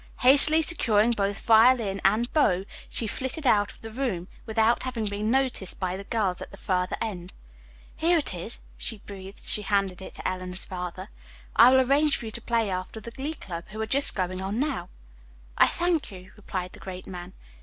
Hastily securing both violin and bow, she flitted out of the room without having been noticed by the girls at the further end. "Here it is," she breathed, as she handed it to Eleanor's father. "I will arrange for you to play after the Glee Club, who are just going on now." "I thank you," replied the great man.